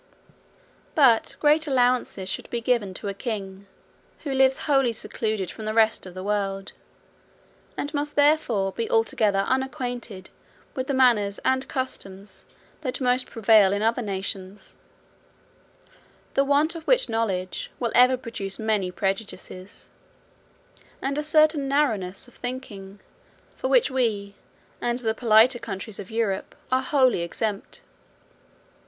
But great allowances should be given to a king, who lives wholly secluded from the rest of the world, and must therefore be altogether unacquainted with the manners and customs that most prevail in other nations: the want of which knowledge will ever produce many prejudices, and a certain narrowness of thinking, from which we, and the politer countries of Europe, are wholly exempted.